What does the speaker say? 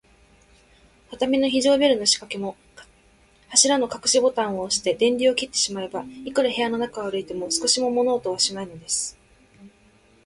畳の非常ベルのしかけも、柱のかくしボタンをおして、電流を切ってしまえば、いくら部屋の中を歩いても、少しも物音はしないのです。